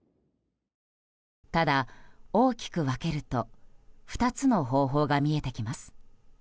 ただ、大きく分けると２つの方法が見えてきます。